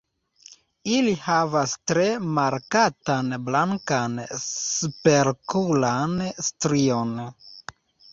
Ili havas tre markatan blankan superokulan strion.